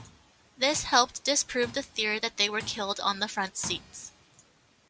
This helped disprove the theory that they were killed on the front seats.